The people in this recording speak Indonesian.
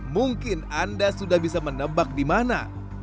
mungkin anda sudah bisa menebak di mana